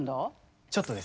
ちょっとですね